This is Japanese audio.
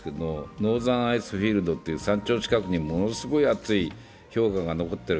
ノーザン・アイスフィールドといって山頂近くに厚い氷河が残っている。